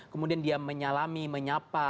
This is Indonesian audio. kemudian dia menyalami menyapa